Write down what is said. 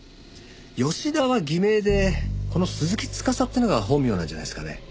「吉田」は偽名でこの「鈴木司」っていうのが本名なんじゃないですかね？